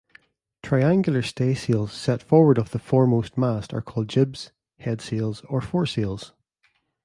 Triangular staysails set forward of the foremost mast are called jibs, headsails, or foresails.